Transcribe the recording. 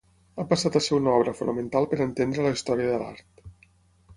Ha passat a ser una obra fonamental per a entendre la història de l'art.